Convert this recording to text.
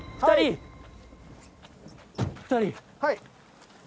はい。